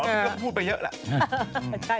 อ๋อเขาพูดไปเยอะแหละ